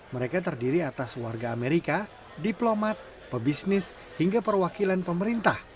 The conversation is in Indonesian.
mereka terdiri atas warga amerika diplomat pebisnis hingga perwakilan pemerintah